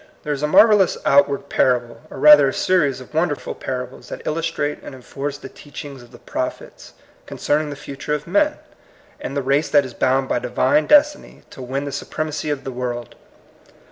There is a marvel lous outward parable, or rather a series of wonderful parables, that illustrate and enforce the teachings of the prophets con cerning the future of men, and the race that is bound by Divine destiny to win the supremacy of the world.